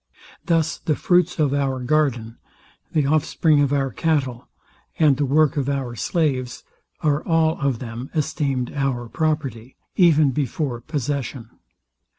Thus the fruits of our garden, the offspring of our cattle, and the work of our slaves, are all of them esteemed our property, even before possession.